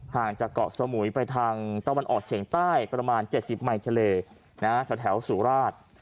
ห่างจากเกาะสมุยไปทางตะวันออกเฉียงใต้ประมาณ๗๐ไมค์ทะเลแถวสุราช